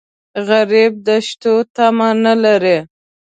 غریب د شتو تمه نه لري